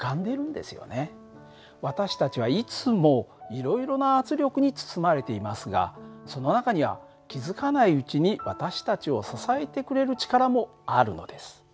私たちはいつもいろいろな圧力に包まれていますがその中には気付かないうちに私たちを支えてくれる力もあるのです。